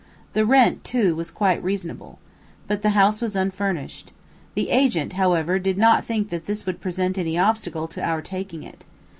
The rent, too, was quite reasonable. But the house was unfurnished. The agent, however, did not think that this would present any obstacle to our taking it.